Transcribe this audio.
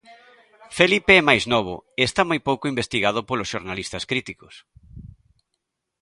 Felipe é máis novo e está moi pouco investigado polos xornalistas críticos.